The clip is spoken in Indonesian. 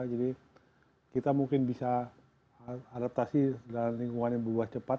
jadi kita mungkin bisa adaptasi dalam lingkungan yang berubah cepat